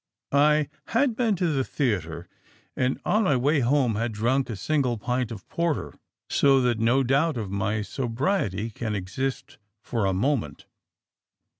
I had been to the theatre, and on my way home had drunk a single pint of porter, so that no doubt of my sobriety can exist for a moment.